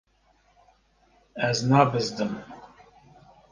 Ez nabizdim.